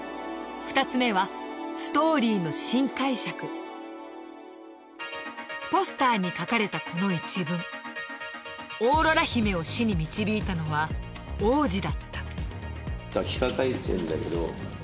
２つ目はポスターに書かれたこの一文「オーロラ姫を死に導いたのは、王子だった」